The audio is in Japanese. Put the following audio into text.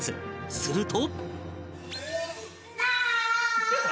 すると